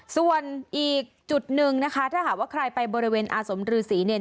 ส่วนอีกจุดหนึ่งนะคะถ้าหากว่าใครไปบริเวณอาสมฤษีเนี่ย